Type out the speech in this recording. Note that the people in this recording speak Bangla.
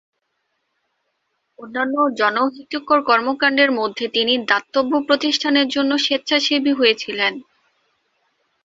অন্যান্য জনহিতকর কর্মকাণ্ডের মধ্যে তিনি দাতব্য প্রতিষ্ঠানের জন্য স্বেচ্ছাসেবী হয়েছিলেন।